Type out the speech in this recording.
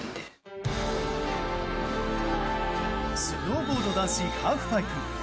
スノーボード男子ハーフパイプ